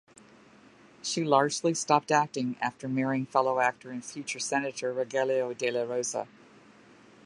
She largely stopped acting after marrying fellow actor and future Senator Rogelio dela Rosa.